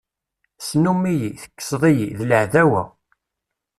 Snum-iyi, tekkseḍ-iyi, d laɛdawa.